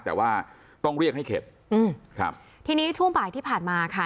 แต่ว่าต้องเรียกให้เข็ดอืมครับทีนี้ช่วงบ่ายที่ผ่านมาค่ะ